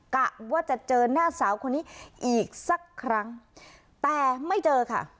กะว่าจะเจอหน้าสาวคนนี้อีกสักครั้งแต่ไม่เจอค่ะ